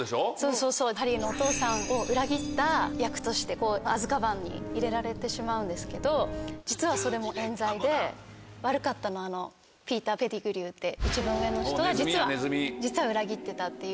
そうそうハリーのお父さんを裏切った役としてアズカバンに入れられてしまうんですけど実はそれも冤罪で悪かったのはピーター・ペティグリューって一番上の人が実は裏切ってたっていう。